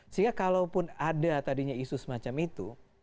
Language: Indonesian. sehingga kalaupun ada tadinya isu semacam itu